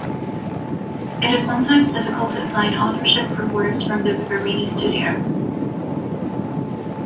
It is sometimes difficult to assign authorship for works from the Vivarini studio.